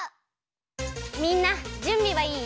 みんなじゅんびはいい？